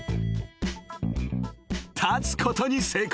［立つことに成功］